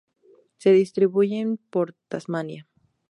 Se distribuyen por Tasmania.